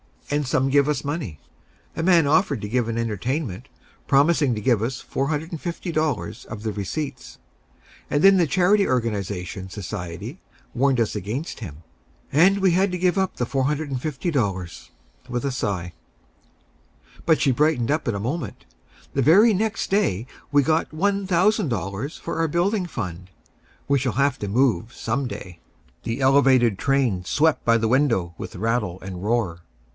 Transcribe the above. And some give us money. A man offered to give an entertainment, promising to give us $450 of the receipts. And then the Charity Organization Society warned us against him, and we had to give up the $450," with a sigh. But she brightened up in a moment: "The very next day we got $1000 for our building fund. We shall have to move some day." The elevated train swept by the window with rattle and roar.